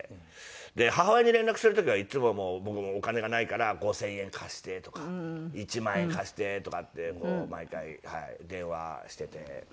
で母親に連絡する時はいつも僕お金がないから５０００円貸してとか１万円貸してとかって毎回電話していて。